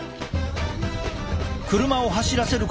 車を走らせること数時間。